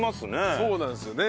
そうなんですね。